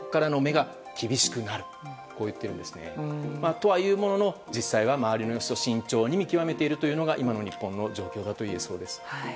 とはいうものの周りの様子を慎重に見極めているのが今の日本の状況だといえそうです。